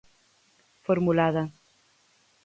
Formulada.